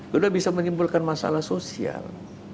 kedua bisa menimbulkan masalah sosial